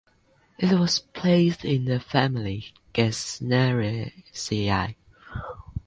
It was placed in the family Gesneriaceae.